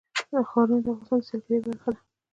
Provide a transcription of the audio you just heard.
ښارونه د افغانستان د سیلګرۍ برخه ده.